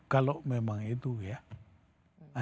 kalau memang itu ya